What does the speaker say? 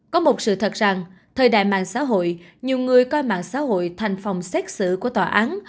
có một sự thật rằng thời đại mạng xã hội nhiều người coi mạng xã hội thành phòng xét xử của tòa án